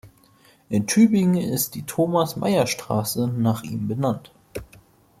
In Tübingen ist die Thomas-Mayer-Straße nach ihm benannt.